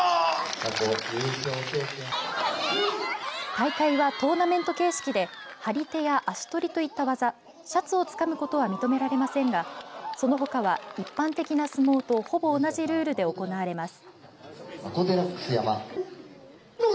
大会はトーナメント形式で張り手や足取りといった技シャツをつかむことは認められていませんがそのほかは一般的な相撲とほぼ同じルールで行われます。